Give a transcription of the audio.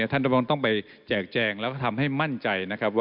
ท่านต้องไปแจกแจงแล้วก็ทำให้มั่นใจ